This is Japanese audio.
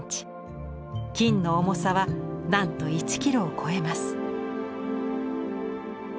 金の重さはなんと１ｋｇを超えます。